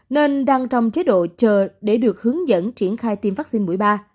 nên đang trong chế độ chờ để được hướng dẫn triển khai tiêm vaccine mũi ba